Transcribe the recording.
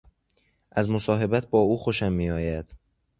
از مصاحبت با او خوشم میآید.